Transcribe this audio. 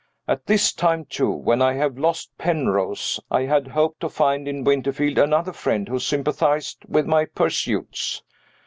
At this time, too, when I have lost Penrose, I had hoped to find in Winterfield another friend who sympathized with my pursuits.